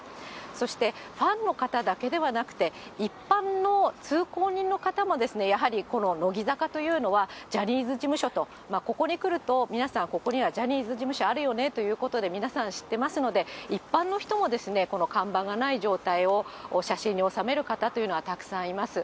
そして、ファンの方だけではなくて、一般の通行人の方も、やはりこの乃木坂というのは、ジャニーズ事務所と、ここに来ると、皆さん、ここにはジャニーズ事務所あるよねということで皆さん知ってますので、一般の人も、この看板がない状態を写真に収める方というのはたくさんいます。